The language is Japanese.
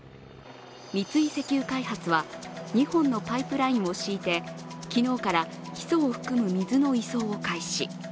三井石油開発は２本のパイプラインを敷いて昨日からヒ素を含む水の移送を開始。